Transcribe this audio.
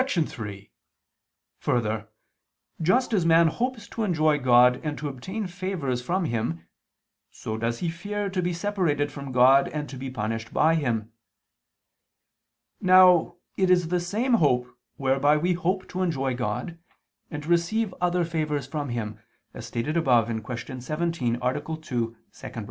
3: Further, just as man hopes to enjoy God and to obtain favors from Him, so does he fear to be separated from God and to be punished by Him. Now it is the same hope whereby we hope to enjoy God, and to receive other favors from Him, as stated above (Q. 17, A. 2, ad 2).